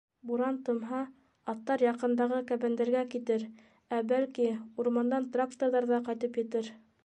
Буран тымһа, аттар яҡындағы кәбәндәргә китер, ә, бәлки, урмандан тракторҙар ҙа ҡайтып етер.